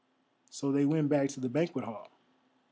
So they went back to the banquet hall.